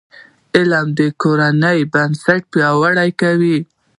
علم د کورنۍ بنسټ پیاوړی کوي.